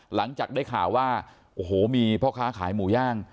หลังจากได้ข่าวว่าโอ้โหมีพ่อค้าขายหมูย่าง